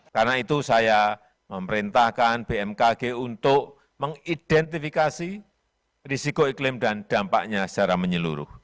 karena itu saya memerintahkan bmkg untuk mengidentifikasi risiko iklim dan dampaknya secara menyeluruh